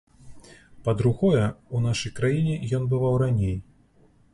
Па-другое, у нашай краіне ён бываў раней.